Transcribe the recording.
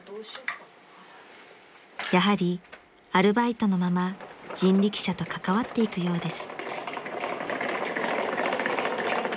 ［やはりアルバイトのまま人力車と関わっていくようです］